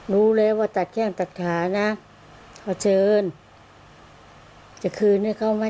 รู้แล้วว่าตัดแข้งตัดขานะเขาเชิญจะคืนให้เขาไหม